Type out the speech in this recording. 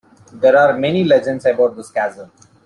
There are many legends about this castle.